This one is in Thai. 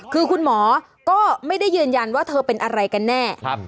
คือคุณหมอก็ไม่ได้ยืนยันว่าเธอเป็นอะไรกันแน่